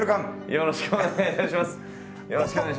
よろしくお願いします。